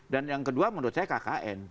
dan yang kedua menurut saya kkn